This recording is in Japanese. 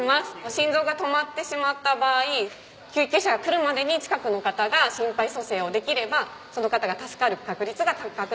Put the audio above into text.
心臓が止まってしまった場合救急車が来るまでに近くの方が心肺蘇生をできればその方が助かる確率が高くなる。